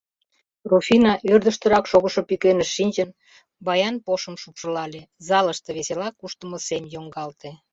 Руфина, ӧрдыжтырак шогышо пӱкеныш шинчын, баян пошым шупшылале, залыште весела куштымо сем йоҥгалте.